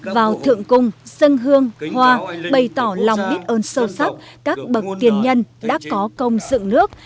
vào thượng cung sân hương hoa bày tỏ lòng biết ơn sâu sắc các bậc tiền nhân đã có công dựng nước